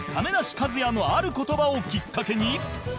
和也のある言葉をきっかけに